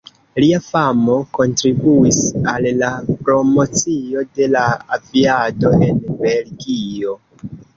Lia famo kontribuis al la promocio de la aviado en Belgio.